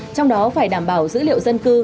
trong đó phải đảm bảo dữ liệu dân cư